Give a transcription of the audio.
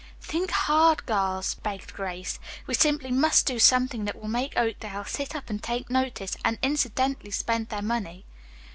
"Think hard, girls," begged Grace. "We simply must do something that will make Oakdale sit up and take notice, and incidentally spend their money."